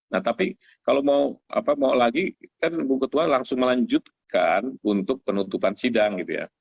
nah tapi kalau mau lagi kan bung ketua langsung melanjutkan untuk penutupan sidang